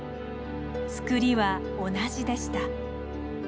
つくりは同じでした。